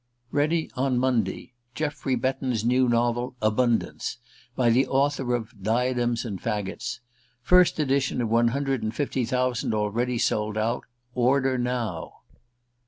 READY ON MONDAY. GEOFFREY BETTON'S NEW NOVEL ABUNDANCE. BY THE AUTHOR OF "DIADEMS AND FAGGOTS." FIRST EDITION OF ONE HUNDRED AND FIFTY THOUSAND ALREADY SOLD OUT. ORDER NOW.